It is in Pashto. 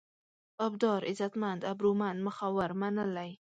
ابدار: عزتمن، ابرومند ، مخور، منلی